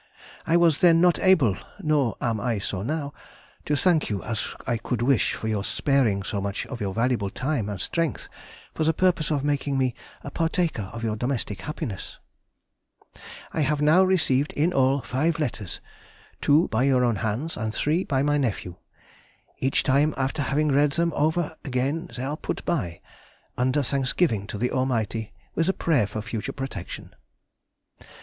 I was then not able (nor am I so now) to thank you as I could wish for your sparing so much of your valuable time and strength for the purpose of making me a partaker of your domestic happiness. I have now received in all five letters, two by your own hands, and three by my nephew. Each time after having read them over again they are put by, under thanksgiving to the Almighty, with a prayer for future protection.